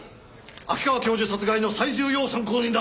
秋川教授殺害の最重要参考人だ。